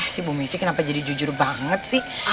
si bu missi kenapa jadi jujur banget sih